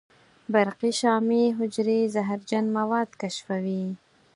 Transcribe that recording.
برقي شامي حجرې زهرجن مواد کشفوي.